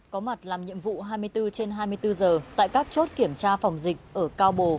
có mặt làm nhiệm vụ hai mươi bốn trên hai mươi bốn giờ tại các chốt kiểm tra phòng dịch ở cao bồ